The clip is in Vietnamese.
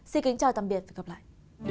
xin kính chào tạm biệt và gặp lại